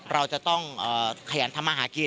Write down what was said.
เราจะต้องขยันทำมาหากิน